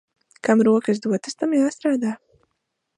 Kam rokas dotas, tam jāstrādā.